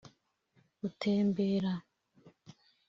gutembera